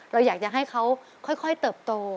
เราอยากจะให้เขาค่อยเติบโต